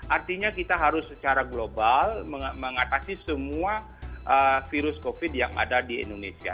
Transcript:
artinya kita harus secara global mengatasi semua virus covid yang ada di indonesia